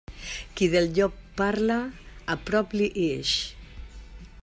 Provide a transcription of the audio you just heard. Qui del llop parla, a prop li ix.